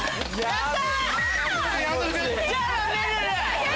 やった！